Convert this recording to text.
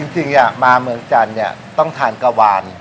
จริงอ่ะมาเมืองจันทร์เนี่ยต้องทานกะวาน